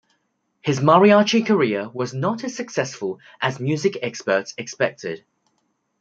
His mariachi career was not as successful as music experts expected.